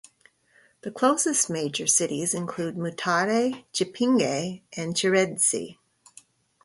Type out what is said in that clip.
The closest major cities include Mutare, Chipinge and Chiredzi.